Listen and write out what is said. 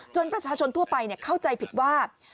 ประชาชนทั่วไปเข้าใจผิดว่า